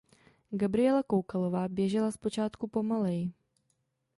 Gabriela Koukalová běžela zpočátku pomaleji.